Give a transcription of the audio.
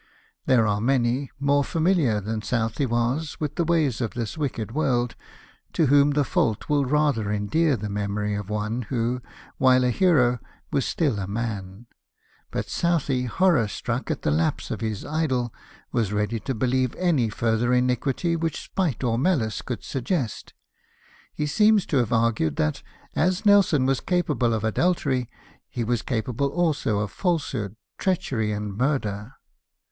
There are many, more familiar than Southey was with the ways of this wicked world, to whom the fault will rather endear the memory of one who, while a hero, was still a man ; but Southey, horror struck at the lapse of his idol, was ready to believe any further iniquity which spite or malice could suggest. He seems to have argued that, as Nelson was capable of adultery, he was capable also of falsehood, treachery, and murder.